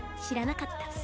しらなかった」。